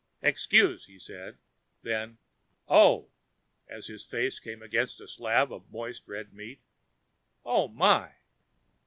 "Excuse," he said, then, "Oh!" as his face came against a slab of moist red meat. "Oh my!"